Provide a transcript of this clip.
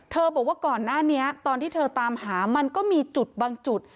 บอกว่าก่อนหน้านี้ตอนที่เธอตามหามันก็มีจุดบางจุด